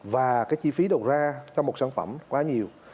và cái chi phí đầu ra cho một sản phẩm quá nhiều